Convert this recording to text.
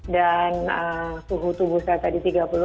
dan suhu tubuh saya tadi tiga puluh enam